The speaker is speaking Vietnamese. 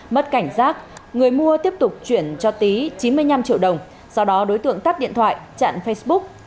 mất cảnh giác người mua tiếp tục chuyển cho tý chín mươi năm triệu đồng sau đó đối tượng tắt điện thoại chặn facebook